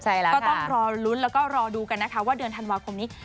ใช่แล้วก็ต้องรอลุ้นแล้วก็รอดูกันนะคะว่าเดือนธันวาคมนี้